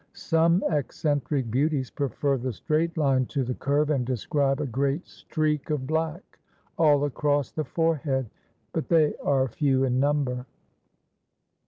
Some eccentric beauties prefer the straight line to the curve, and describe a great streak of black all across the forehead; but they are few in number.